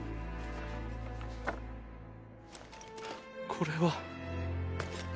これは。